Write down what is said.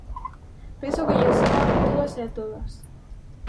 Penso que lles soa a todos e a todas.